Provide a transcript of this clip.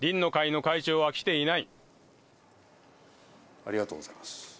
ありがとうございます。